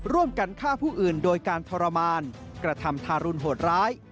ร่วมกันฆ่าผู้อื่นโดยการทรมานกระทำทารุณโหดร้าย